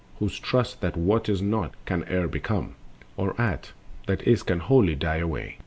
Who trust that what is not can e'er become, Or aught that is can wholly die away.